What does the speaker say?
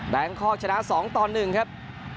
แบงคอร์จชนะ๒๑ครับ